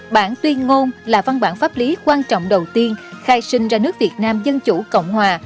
bản tuyên ngôn là văn bản pháp lý quan trọng đầu tiên khai sinh ra nước việt nam dân chủ cộng hòa